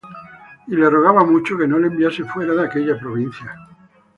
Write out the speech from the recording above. Y le rogaba mucho que no le enviase fuera de aquella provincia.